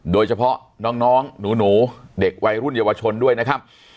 โดยเฉพาะน้องหนูเด็กวัยรุ่นเยาวชนด้วยนะครับ